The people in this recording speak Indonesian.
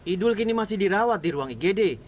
idul kini masih dirawat di ruang igd